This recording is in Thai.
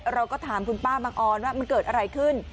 เราก็ถามคุณป้าบังออนว่ามันเกิดอะไรขึ้น